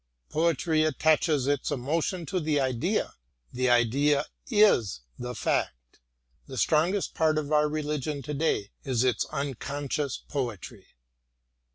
Poetry attaches its emotion to the idea : the idea is the fact. The strongest part of our religion to day is its unconscious poetry.